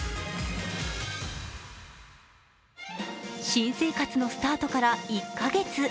新生活のスタートから１か月。